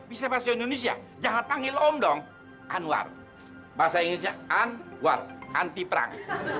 bisa bahasa indonesia jangan panggil om dong anwar bahasa inggrisnya an war anti perang